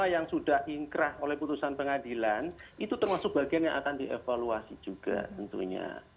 yang sudah ingkrah oleh putusan pengadilan itu termasuk bagian yang akan dievaluasi juga tentunya